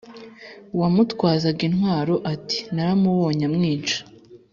uwamutwazaga intwaro i ati naramubonye amwica